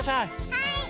はい！